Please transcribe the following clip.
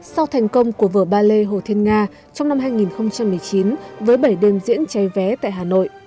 sau thành công của vở ballet hồ thiên nga trong năm hai nghìn một mươi chín với bảy đêm diễn chay vé tại hà nội